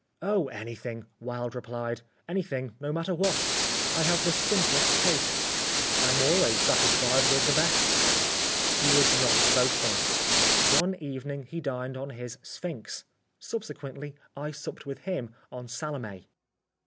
"Oh, anything," Wilde replied. "Anything, no matter what. I have the simplest tastes. I am always satisfied with the best." He was not boasting. One evening he dined on his "Sphinx." Subsequently I supped with him on "Salome."